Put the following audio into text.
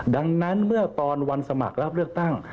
ดังนั้นเมื่อตอนวันสมัครรับเลือกตั้ง